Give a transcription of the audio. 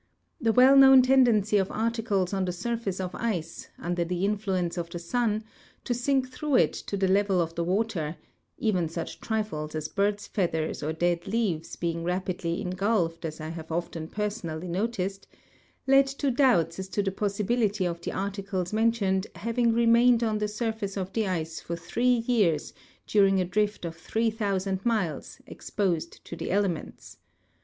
The well known tendency of articles on the surface of ice, under the influence of the sun, to sink through it to the level of the water — even such trifles as bird's feathers or dead leaves being rai)idly engulfed, as I have often personally noticed — led to doubts as to the possibility of the ar ticles mentioned having remained on the surface of the ice for three years during a drift of 3,000 miles, exposed to the elements.